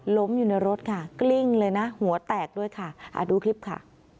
ล้มอยู่ในรถค่ะกลิ้งเลยนะหัวแตกด้วยค่ะดูคลิปค่ะ